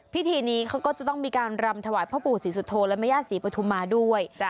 พิธีนี้เขาก็จะต้องมีการรำถวายพ่อปู่ศรีสุโธและแม่ย่าศรีปฐุมาด้วย